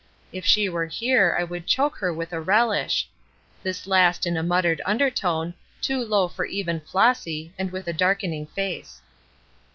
If she were here I would choke her with a relish." This last in a muttered undertone, too low for even Flossy, and with a darkening face.